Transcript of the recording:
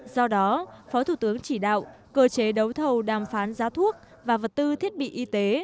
do đó phó thủ tướng chỉ đạo cơ chế đấu thầu đàm phán giá thuốc và vật tư thiết bị y tế